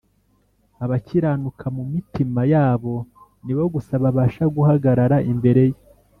. Abakiranuka mu mitima yabo nibo gusa babasha guhagarara imbere Ye